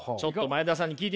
前田さん